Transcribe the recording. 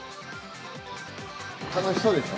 楽しそうでしょ。